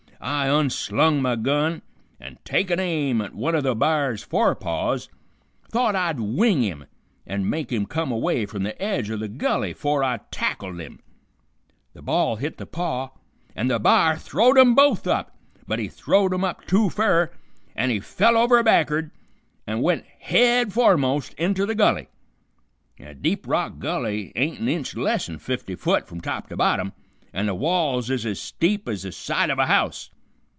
I unslung my gun, an' takin' aim at one o' the b'ar's forepaws, thought I'd wing him an' make him come away from the edge o' the gulley 'fore I tackled him. The ball hit the paw, an' the b'ar throw'd 'em both up. But he throw'd 'em up too fur, an' he fell over back'rd, an' went head foremost inter the gulley. Deep Rock Gulley ain't an inch less'n fifty foot from top to bottom, an' the walls is ez steep ez the side of a house.